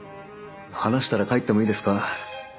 話したら帰ってもいいですか？